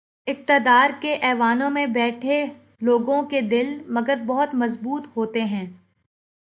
اقتدار کے ایوانوں میں بیٹھے لوگوں کے دل، مگر بہت مضبوط ہوتے ہیں۔